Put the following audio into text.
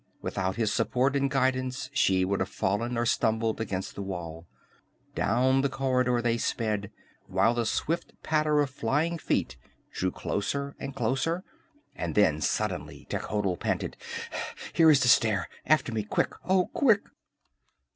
Without his support and guidance she would have fallen or stumbled against the wall. Down the corridor they sped, while the swift patter of flying feet drew closer and closer, and then suddenly Techotl panted: "Here is the stair! After me, quick! Oh, quick!"